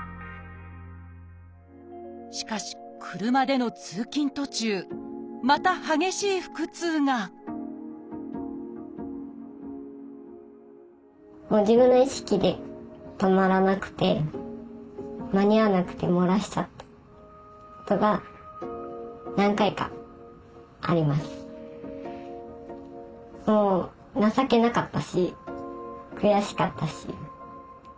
しかし車での通勤途中またもう自分の意識で情けなかったし悔しかったし。